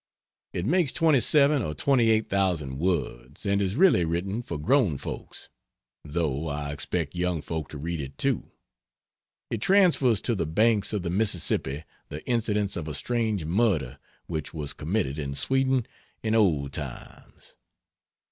It makes 27 or 28,000 words, and is really written for grown folks, though I expect young folk to read it, too. It transfers to the banks of the Mississippi the incidents of a strange murder which was committed in Sweden in old times.